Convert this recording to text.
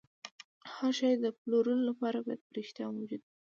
هر شی د پلورلو لپاره باید په رښتیا موجود وي